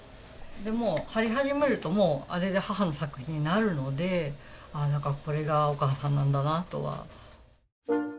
もう貼り始めるともうあれで母の作品になるのでこれがお母さんなんだなとは。